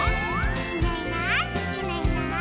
「いないいないいないいない」